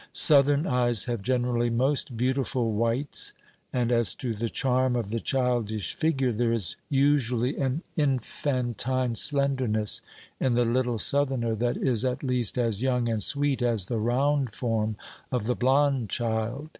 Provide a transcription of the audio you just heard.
Southern eyes have generally most beautiful whites. And as to the charm of the childish figure, there is usually an infantine slenderness in the little Southener that is at least as young and sweet as the round form of the blond child.